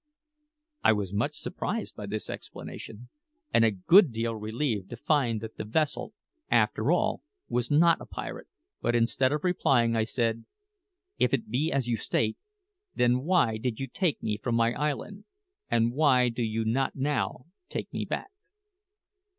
I was much surprised by this explanation, and a good deal relieved to find that the vessel, after all, was not a pirate; but instead of replying, I said, "If it be as you state, then why did you take me from my island, and why do you not now take me back?"